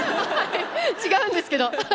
違うんですけど。